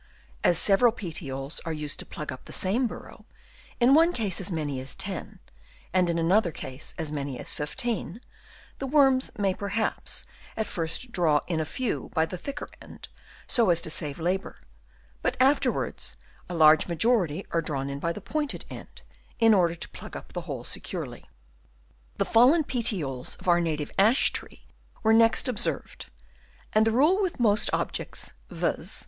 As several petioles are used to plug up the same burrow, in one case as many as 10, and in another case as many as 15, the worms may perhaps at first draw in a few by the thicker end so as to save labour ; but afterwards a large majority are drawn in by the pointed end, in order to plug up the hole securely. The fallen petioles of our native ash tree were next observed, and the rule with most objects, viz.